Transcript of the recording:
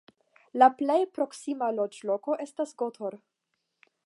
La plej proksima loĝloko estas Gotor.